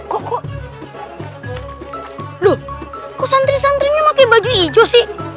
kok santri santrinya pake baju hijau sih